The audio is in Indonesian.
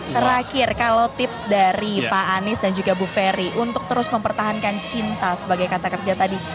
terakhir kalau tips dari pak anies dan juga bu ferry untuk terus mempertahankan cinta sebagai kata kerja tadi